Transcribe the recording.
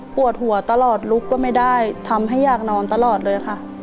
ปวดหัวตลอดลุกก็ไม่ได้ทำให้อยากนอนตลอดเลยค่ะ